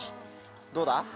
どうだ？